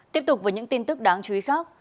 tiếp tục với những tin tức đáng chú ý khác